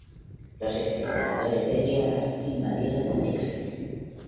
Los especuladores de tierras invadieron a Texas.